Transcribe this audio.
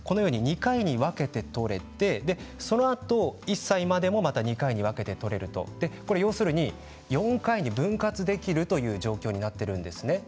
父親は生まれて８週までは２回に分けて取れてそのあと、１歳までもまた２回に分けて取れると４回に分割できるという状況になっているんです。